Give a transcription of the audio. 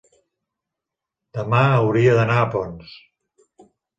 demà hauria d'anar a Ponts.